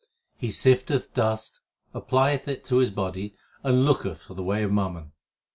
He sifteth dust, applieth it to his body, and looketh for the way of mammon.